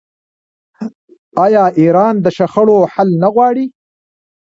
آیا ایران د شخړو حل نه غواړي؟